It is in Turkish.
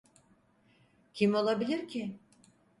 Kim olabilir ki?